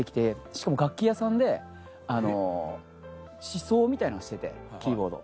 しかも楽器屋さんで試奏みたいなのしててキーボード。